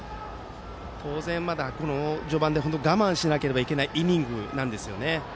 当然、まだ序盤で我慢しなければいけないイニングですね。